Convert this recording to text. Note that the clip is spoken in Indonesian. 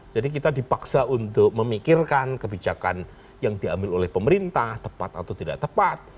jadi kita dipaksa untuk memikirkan kebijakan yang diambil oleh pemerintah tepat atau tidak tepat